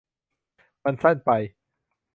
มันสั้นไป